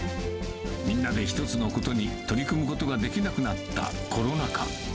みんなで一つのことに取り組むことができなくなったコロナ禍。